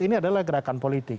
ini adalah gerakan politik